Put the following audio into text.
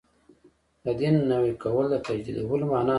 د دین نوی کول د تجدیدولو معنا نه لري.